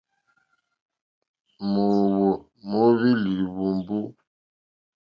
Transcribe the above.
Mǒhwò móhwí líhwùmbú.